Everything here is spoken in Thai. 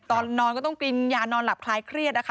ตอนนอนก็ต้องกินยานอนหลับคลายเครียดนะคะ